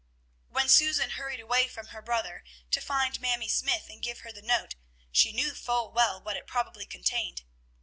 When Susan hurried away from her brother to find Mamie Smythe and give her the note, she knew full well what it probably contained.